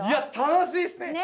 いや楽しいっすね！